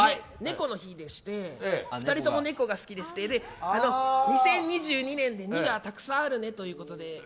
猫の日でして２人とも猫が好きでして２０２２年で２がたくさんあるねということで。